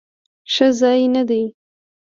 ښه ځای نه دی؟